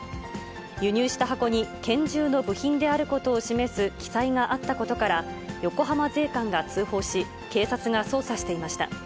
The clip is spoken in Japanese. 輸入した箱に拳銃の部品であることを示す記載があったことから、横浜税関が通報し、警察が捜査していました。